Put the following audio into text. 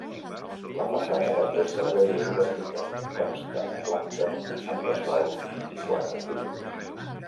La façana dels dos carrers és idèntica: consta de planta, entresòl i quatre pisos.